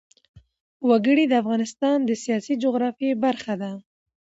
وګړي د افغانستان د سیاسي جغرافیه برخه ده.